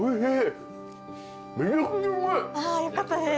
あよかったです。